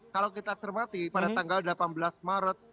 kalau kita cermati pada tanggal delapan belas maret dua ribu dua puluh tiga